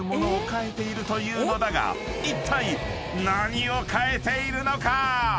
［いったい何を変えているのか？］